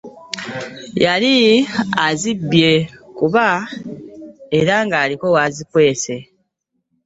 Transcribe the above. Yali azibbye ku bba era nga aliko w'azikwese!